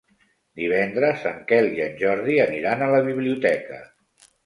Divendres en Quel i en Jordi aniran a la biblioteca.